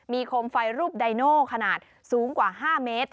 มีโคมไฟรูปไดโน่ขนาดสูงกว่า๕เมตร